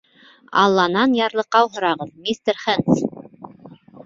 Алланан ярлыҡау һорағыҙ, мистер Хэндс!